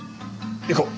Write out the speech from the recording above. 行こう。